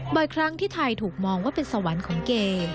ครั้งที่ไทยถูกมองว่าเป็นสวรรค์ของเก